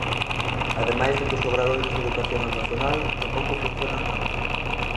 Ademais de que os obradoiros de educación emocional tampouco funcionan tanto.